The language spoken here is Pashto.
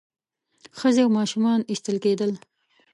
ښځې او ماشومان ایستل کېدل.